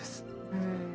うん。